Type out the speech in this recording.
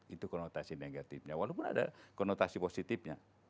itu konotasi negatifnya walaupun ada konotasi positifnya